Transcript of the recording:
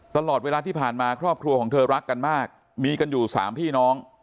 ตลอดเวลาที่ผ่านมาครอบครัวของเธอรักกันมากมีกันอยู่สามพี่น้อง